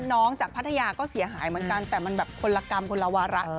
จากพัทยาก็เสียหายเหมือนกันแต่มันแบบคนละกรรมคนละวาระ